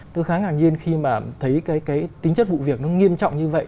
tôi khá ngạc nhiên khi mà thấy cái tính chất vụ việc nó nghiêm trọng như vậy